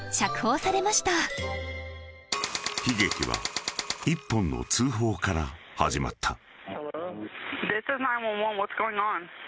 ［悲劇は一本の通報から始まった］